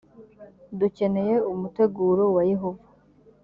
dukeneye umuteguro wa yehova